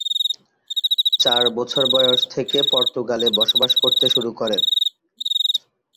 চার বছর বয়স থেকে পর্তুগালে বসবাস করতে শুরু করেন।